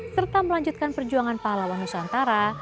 serta melanjutkan perjuangan pahlawan nusantara